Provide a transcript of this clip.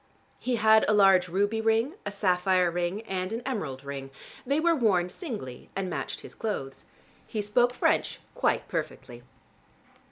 He had a large ruby ring, a sapphire ring and an emerald ring: they were worn singly and matched his clothes. He spoke French quite perfectly.